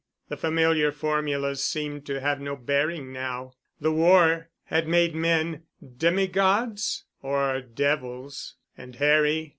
The familiar formulas seemed to have no bearing now. The war had made men demi gods or devils and Harry....